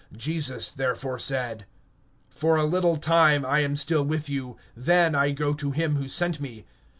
(33)Jesus therefore said: Yet a little while I am with you, and I go to him who sent me.